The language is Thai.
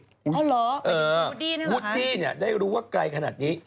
อ๋อเหรอไปดูวุดดี้นี่เหรอคะอ๋อวุดดี้นี่ได้รู้ว่าไกลขนาดนี้